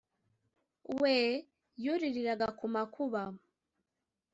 we yuririraga ku makuba